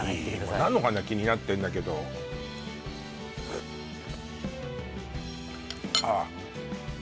菜の花気になってんだけどああ